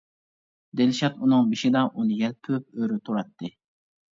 دىلشات ئۇنىڭ بېشىدا ئۇنى يەلپۈپ ئۆرە تۇراتتى.